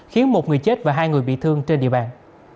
khiến một người chết và hai người bị thương trên địa bàn